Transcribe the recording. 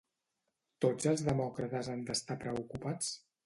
Tots els demòcrates han d’estar preocupats?